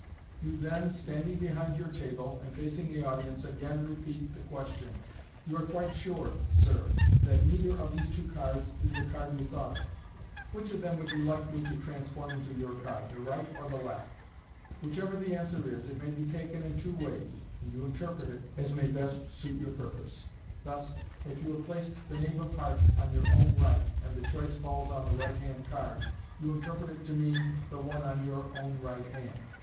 You then, standing behind your table and facing the audience, again repeat the question, " You are quite sure, sir, that neither of these two cards is the card you thought of ? Which of them would you like me to transform into your card, the right or the left ?" Whichever the answer is, it may be taken in two ways, and you interpret it as may best suit your purpose. Thus, if you have placed the knave of hearts on your own right, and the choice falls on the right hand card, you interpret it to mean the one on your own right hand.